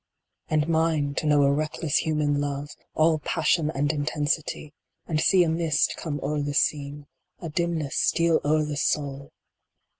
And mine to know a reckless human love, all passion 7 1 8 MY HERITAGE. and intensity, and see a mist come o er the scene, a dim ness steal o er the soul